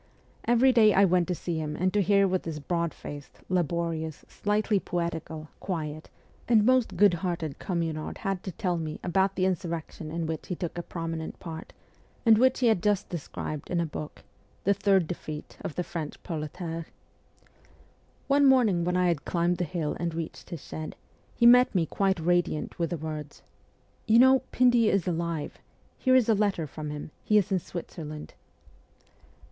Every day I went to see him and to hear what this broad faced, laborious, slightly poetical, quiet, and most good hearted Communard had to tell me about the insurrection in which he took a prominent part, and which he had just described in a book, ' The Third Defeat of the French Proletariate.' One morning when I had climbed the hill and reached his shed, he met me quite radiant with the words :' You know, Pindy is alive ! Here is a letter from him ; he is in Switzerland.'